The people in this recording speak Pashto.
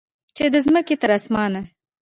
چې د مځکې تر اسمانه